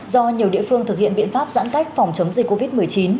do nhiều địa phương thực hiện biện pháp giãn cách phòng chống dịch covid một mươi chín